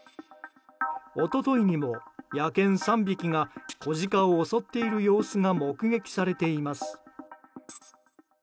一昨日にも野犬３匹が子ジカを襲っている様子が目撃されています。